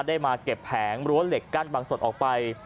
ได้มาเก็บแผงรั้วเหล็กกั้นบางส่วนออกไป